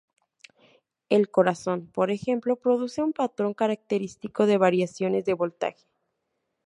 El corazón, por ejemplo, produce un patrón característico de variaciones de voltaje.